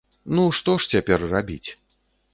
Ну, што ж цяпер рабіць?!